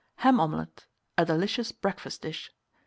HAM OMELET (A delicious Breakfast Dish.)